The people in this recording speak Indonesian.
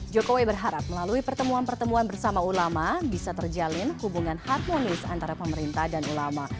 jokowi berharap melalui pertemuan pertemuan bersama ulama bisa terjalin hubungan harmonis antara pemerintah dan ulama